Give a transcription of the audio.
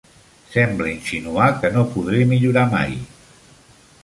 Sembla insinuar que no podré millorar mai.